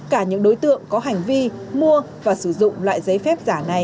cả những đối tượng có hành vi mua và sử dụng loại giấy phép giả này